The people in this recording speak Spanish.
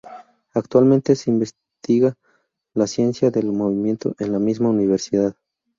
Actualmente, es investiga la ciencia del movimiento en la misma universidad.